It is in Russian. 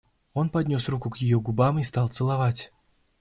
Он поднес руку ее к губам и стал целовать.